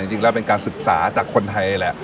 จริงแล้วเป็นการศึกษาจากคนไทยแหละ